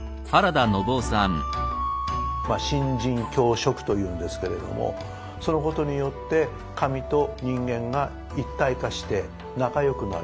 神人共食というんですけれどもそのことによって神と人間が一体化して仲よくなる。